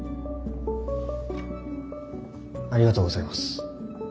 ありがとうございます。